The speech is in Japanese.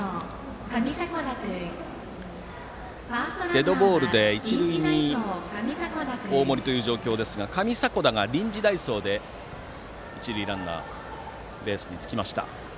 デッドボールで一塁に大森という状況ですが上迫田が臨時代走で一塁ランナーです。